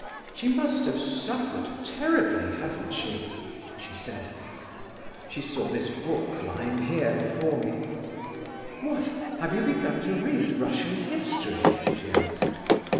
'She must have suffered terribly, hasn't she?' she said. She saw this book here lying before me. 'What! have you begun to read Russian history?' she asked.